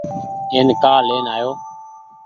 اين ڪآ لين آيو۔